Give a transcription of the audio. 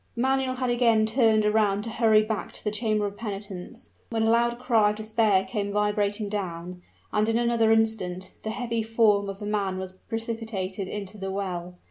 Manuel had again turned around to hurry back to the chamber of penitence, when a loud cry of despair came vibrating down, and in another instant the heavy form of a man was precipitated into the well.